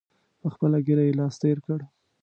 په خپله ږیره یې لاس تېر کړ.